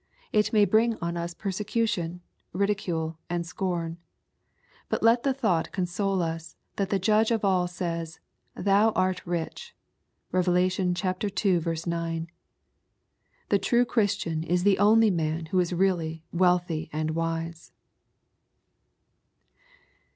It may bring on us persecu tion, ridicule, and scorn. But let the thought console UPj that the Judge of all says, " Thou art rich." (Rev. ii, 9.) The true Christian is the only man who is really wealthy and wise.